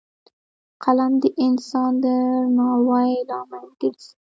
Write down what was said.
قلم د انسان د درناوي لامل ګرځي